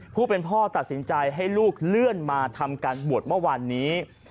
ผู้เป็นพ่อตัดสินใจให้ลูกเลื่อนมาทำการบวชเมื่อวานนี้